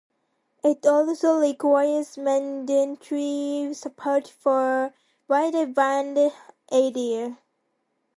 It also requires mandatory support for wideband audio.